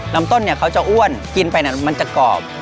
น้ำต้นเนี่ยเขาจะอ้วนกินไปมันจะกรอบ